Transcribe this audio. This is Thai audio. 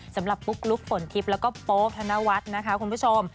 สำหรับปุ๊กลุกฝนทิพย์และโป๊บธนวัฒน์คุณผู้ชม